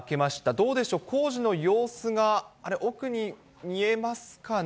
どうでしょう、工事の様子があれ、奥に見えますかね。